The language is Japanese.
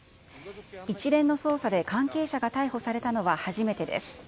一連の捜査で関係者が逮捕されたのは初めてです。